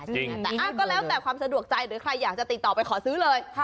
แต่ก็แล้วแต่ความสะดวกใจหรือใครอยากจะติดต่อไปขอซื้อเลย